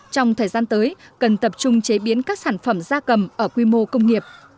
trong thời gian tới cần tập trung chế biến các sản phẩm da cầm ở quy mô công nghiệp